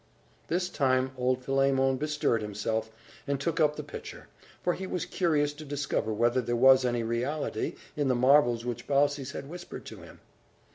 This time, old Philemon bestirred himself, and took up the pitcher; for he was curious to discover whether there was any reality in the marvels which Baucis had whispered to him.